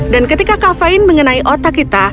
dan ketika kafein mengenai otak kita